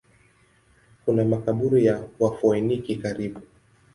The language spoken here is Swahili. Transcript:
Kuna makaburi ya Wafoeniki karibu.